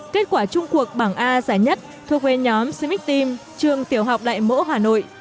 kết quả chung cuộc bảng a giá nhất thuộc về nhóm cmic team trường tiểu học đại mẫu hà nội